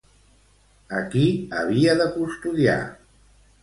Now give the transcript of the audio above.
A qui havia de custodiar?